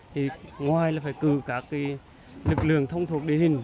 thì ngoài là phải cử các lực lượng thông thuộc địa hình